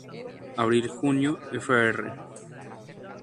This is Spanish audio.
Abril-julio, fr.